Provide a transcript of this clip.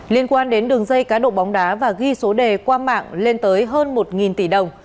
liên quan đến đường dây cá độ bóng đá và ghi số đề qua mạng lên tới hơn một tỷ đồng